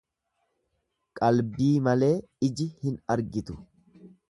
Qalbii malee iji hin argitu.